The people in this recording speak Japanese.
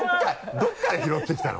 どこから拾ってきたの？